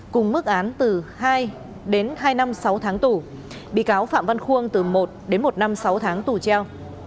cùng mức án từ hai hai năm sáu tháng tù bị cáo phạm văn khuông từ một một năm sáu tháng tù treo